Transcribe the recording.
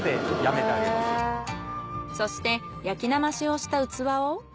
そして焼きなましをした器を。